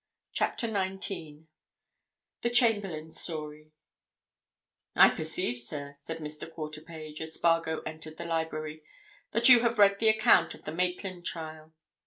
CHAPTER NINETEEN THE CHAMBERLAYNE STORY "I perceive, sir," said Mr. Quarterpage, as Spargo entered the library, "that you have read the account of the Maitland trial."